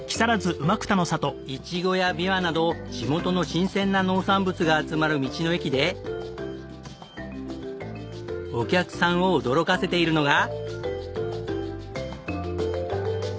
イチゴやビワなど地元の新鮮な農産物が集まる道の駅でお客さんを驚かせているのが。